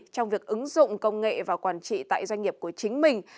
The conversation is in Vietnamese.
trong việc ứng dụng công nghệ và quản trị tại doanh nghiệp của chính mình